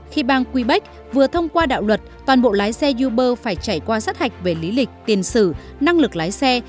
khi bang quebec vừa thông qua đạo luật toàn bộ lái xe uber phải trải qua sát hạch về lý lịch tiền sử năng lực lái xe